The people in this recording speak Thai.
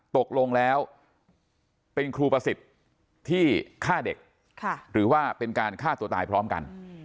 ตกลงแล้วเป็นครูประสิทธิ์ที่ฆ่าเด็กหรือว่าเป็นการฆ่าตัวตายพร้อมกัน